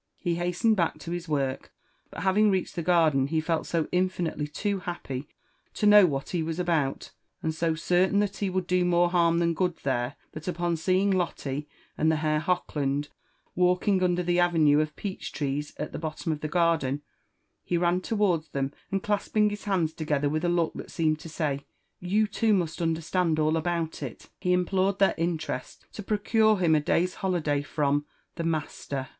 " He hastened back to his work ; but having reached the garden, he felt so Infinitely too happy to know what he was about, and so certain that he would do more harm than good there, that upon seeing I^otte and the Herr Hochland walking under the avenue of peach trees at the bottom of the garden, he ran towards them, and clasping his hands together with a. look that seemed to say, .''You too must understand all about it," he implored their interest to proc^re him a day's holi day from "the master."